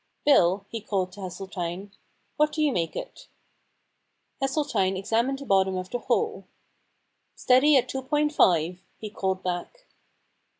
Bill,' he called to Hesseltine, * what do you make it ?' Hesseltine examined the bottom of the hole. * Steady at two point five,' he called back.